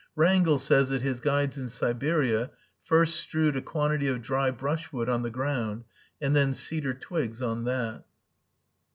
Wrangel says that his guides in Siberia first strewed a quantity of dry brushwood on the ground, and then cedar twigs on that.